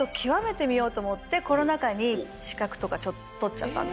コロナ禍に資格とか取っちゃったんですよ。